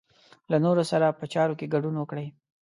له نورو سره په چارو کې ګډون وکړئ.